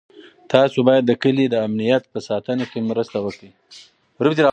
تاسو باید د کلي د امنیت په ساتنه کې مرسته وکړئ.